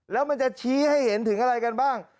แล้วมันจะชี้ให้เห็นถึงอะไรกันบ้าง